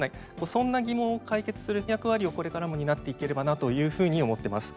そんな疑問を解決する役割をこれからも担っていければなというふうに思ってます。